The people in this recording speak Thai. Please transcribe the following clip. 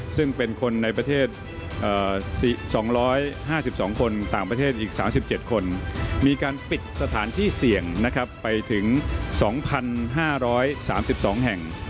ซึ่งเป็นคนในประเทศ๒๕๒คนต่างประเทศอีก๓๗คนมีการปิดสถานที่เสี่ยงนะครับไปถึง๒๕๓๒แห่ง